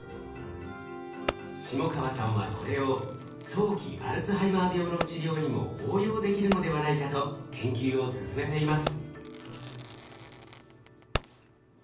下川さんはこれを早期アルツハイマー病の治療にも応用できるのではないかと研究を進めています。